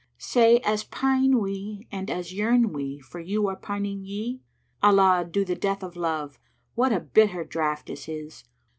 * Say, as pine we and as yearn we for you are pining ye? Allah do the death of Love, what a bitter draught is his!